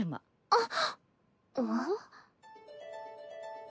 あっ。